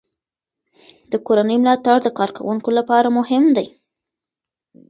د کورنۍ ملاتړ د کارکوونکو لپاره مهم دی.